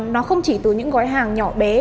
nó không chỉ từ những gói hàng nhỏ bé